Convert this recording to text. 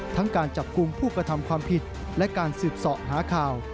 ทั้งการจับกรุงผู้กระทำความผิดและการสืบสอหาข่าว